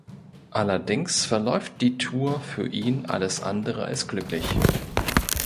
Allerdings verläuft die Tour für ihn alles andere als glücklich.